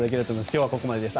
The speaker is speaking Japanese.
今日はここまでです。